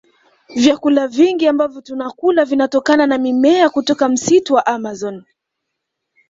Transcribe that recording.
Vyakula vingi ambavyo tunakula vinatokana na mimea kutoka msitu wa amazon